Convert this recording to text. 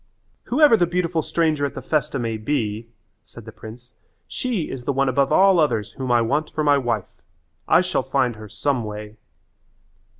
"Whoever the beautiful stranger at the festa may be," said the prince, "she is the one above all others whom I want for my wife. I shall find her some way."